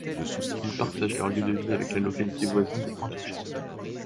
Ils partagent leur lieu de vie avec la localité voisine de Pointe-aux-Chênes.